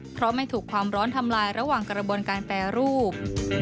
เพราะไม่ถูกความร้อนทำลายระหว่างกระบวนการแปรรูป